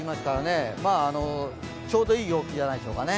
ちょうどいい陽気じゃないでしょうかね。